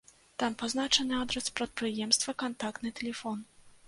Там пазначаны адрас прадпрыемства, кантактны тэлефон.